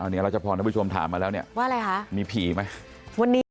เดี๋ยวเราจะพอให้ผู้ชมถามมาแล้วเนี่ยว่าอะไรคะมีผีไหม